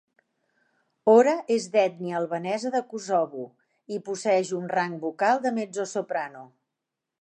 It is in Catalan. Ora és d'ètnia albanesa de Kosovo i posseeix un rang vocal de mezzosoprano.